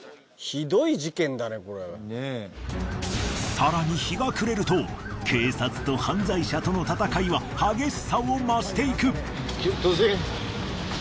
更に日が暮れると警察と犯罪者との戦いは激しさを増していく。